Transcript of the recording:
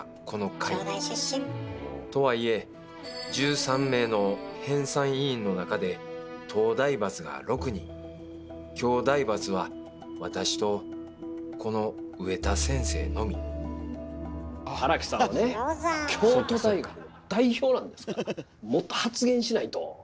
とはいえ１３名の編纂委員の中で東大閥が６人京大閥は私とこの上田先生のみ荒木さんはね京都大学の代表なんですからもっと発言しないと！